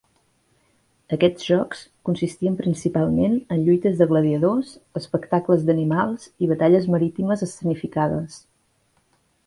Aquests jocs consistien principalment en lluites de gladiadors, espectacles d'animals i batalles marítimes escenificades.